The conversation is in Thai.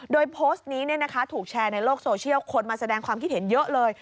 โดยโพสต์นี้ถูกแชร์ในโลกโซเชียลคนมาแสดงความคิดเห็นเยอะเลย